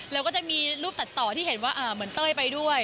แล้วก็จะมีรูปตัดต่อที่เห็นว่าเหมือนเต้ยไปด้วย